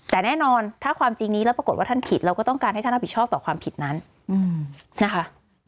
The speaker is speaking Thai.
แต่แน่นอนถ้าความจริงนี้แล้วปรากฏว่าท่านผิดเราก็ต้องการให้ท่านรับผิดชอบต่อความผิดนั้นนะคะ